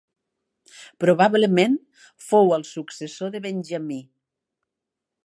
Probablement fou el successor de Benjamí.